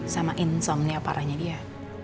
sama insomnia parahnya dia